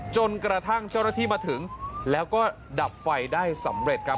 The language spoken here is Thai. จนกระทั่งเจ้าหน้าที่มาถึงแล้วก็ดับไฟได้สำเร็จครับ